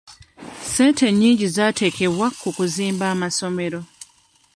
Ssente nnyingi zaateekebwa ku kuzimba masomero.